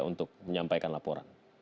untuk menyampaikan laporan